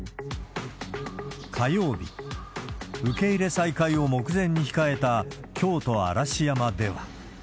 火曜日、受け入れ再開を目前に控えた京都・嵐山では。